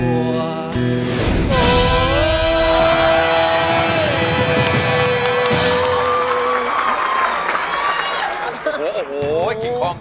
โอ้โหกินคอง